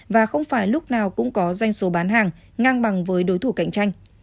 và không phải lúc nào cũng có doanh số bán hàng ngang bằng với đối thủ cạnh tranh